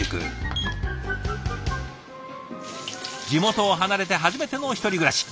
地元を離れて初めての１人暮らし。